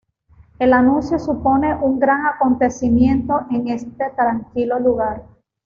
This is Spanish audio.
El anuncio supone un gran acontecimiento en este tranquilo lugar.